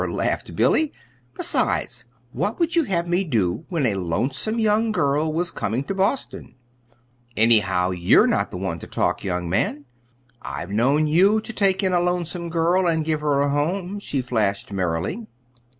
laughed Billy. "Besides, what would you have me do when a lonesome young girl was coming to Boston? Anyhow, you're not the one to talk, young man. I've known you to take in a lonesome girl and give her a home," she flashed merrily.